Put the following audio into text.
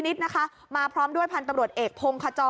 นี่มันเป็นไงนี่มันเป็นไง